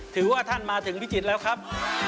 ถือว่าท่านมาถึงพิจิตรแล้วครับ